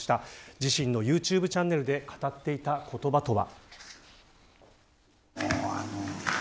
自身のユーチューブチャンネルで語っていた言葉とは。